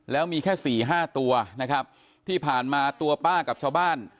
แล้วมีแค่สี่ห้าตัวนะครับที่ผ่านมาตัวป้ากับชาวบ้าน